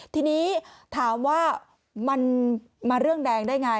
ทีนี้ถามว่ามันมาเรื่องแดงได้ไง